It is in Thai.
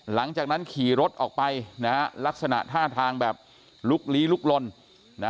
หลังจากนั้นขี่รถออกไปนะฮะลักษณะท่าทางแบบลุกลี้ลุกลนนะ